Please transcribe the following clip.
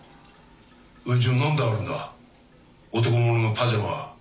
えじゃあ何であるんだ男物のパジャマが。